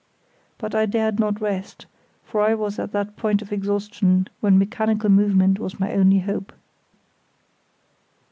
But I dared not rest, for I was at that point of exhaustion when mechanical movement was my only hope.